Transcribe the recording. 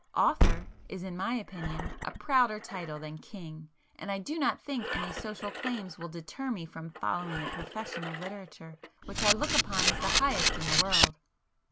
'Author' is in my opinion, a prouder title than king, and I do not think any social claims will deter me from following the profession of literature, which I look upon as the highest in the world."